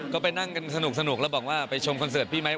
ก็ไปนั่งกันสนุกแล้วบอกว่าไปชมคอนเสิร์ตพี่ไหม